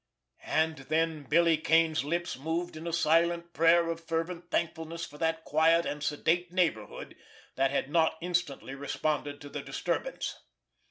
And then Billy Kane's lips moved in a silent prayer of fervent thankfulness for that quiet and sedate neighborhood that had not instantly responded to the disturbance.